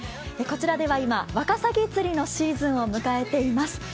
こちらでは今わかさぎ釣りのシーズンを迎えています。